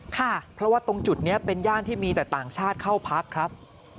เพราะว่าตรงจุดนี้เป็นย่านที่มีแต่ต่างชาติเข้าพักครับ